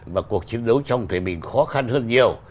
và cuộc chiến đấu trong thời bình khó khăn hơn nhiều